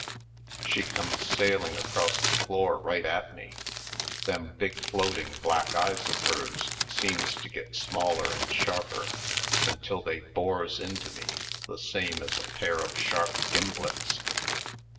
She comes sailing across the floor right at me. Them big floating black eyes of hers seems to get smaller and sharper until they bores into me the same as a pair of sharp gimblets.